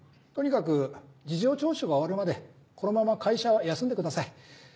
とにかく事情聴取が終わるまでこのまま会社は休んでください。